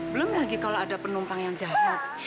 belum lagi kalau ada penumpang yang jahat